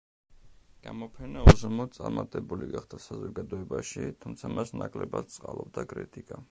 გამოფენა უზომოდ წარმატებული გახდა საზოგადოებაში, თუმცა მას ნაკლებად სწყალობდა კრიტიკა.